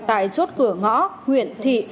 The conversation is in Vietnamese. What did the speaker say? tại chốt cửa ngõ nguyện thị